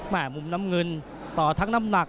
มุมน้ำเงินต่อทั้งน้ำหนัก